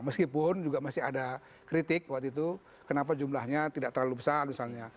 meskipun juga masih ada kritik waktu itu kenapa jumlahnya tidak terlalu besar misalnya